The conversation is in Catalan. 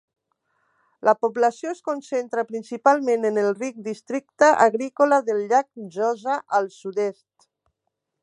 La població es concentra principalment en el ric districte agrícola del llac Mjøsa, al sud-est.